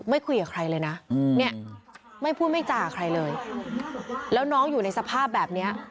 คุยกับใครเลยนะเนี่ยไม่พูดไม่จ่าใครเลยแล้วน้องอยู่ในสภาพแบบเนี้ย